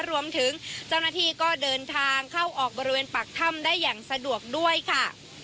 รวมถึงเจ้าหน้าที่ก็เดินทางเข้าออกบริเวณปากถ้ำได้อย่างสะดวกด้วยค่ะ